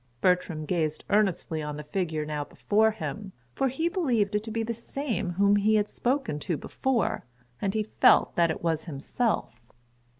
Bertram gazed earnestly on the figure now before him; for he believed it to be the same whom he had spoken to before, and he felt that it was himself.